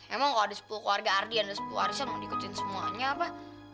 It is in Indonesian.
emang kalo ada sepuluh keluarga ardian dan sepuluh arisan mau diikutin semuanya apa